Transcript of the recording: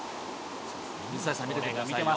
水谷さん、見ててください。